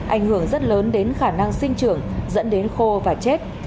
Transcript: ảnh hưởng rất lớn đến khả năng sinh trưởng dẫn đến khô và chết